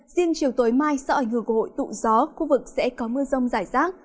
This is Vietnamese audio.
riêng chiều tối mai sau ảnh hưởng của hội tụ gió khu vực sẽ có mưa rông rải rác